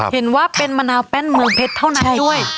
เห็นว่าเป็นมะนาวแป้นเมืองเพชรเท่านั้นด้วย